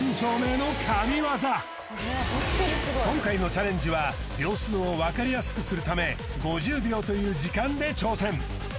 今回のチャレンジは秒数を分かりやすくするため５０秒という時間で挑戦